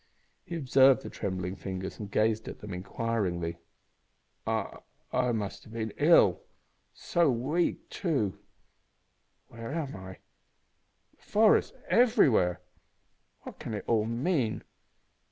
He observed the trembling fingers and gazed at them inquiringly. "I I must have been ill. So weak, too! Where am I? The forest everywhere! What can it all mean?